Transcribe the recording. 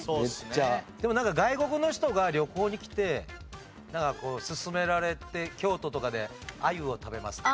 でもなんか外国の人が旅行に来て勧められて京都とかでアユを食べますとか。